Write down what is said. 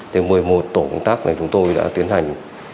thì một mươi một tổ công tác này chúng tôi đã tiến hành